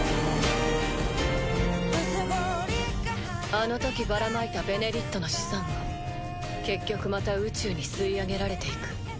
あのときばらまいた「ベネリット」の資産も結局また宇宙に吸い上げられていく。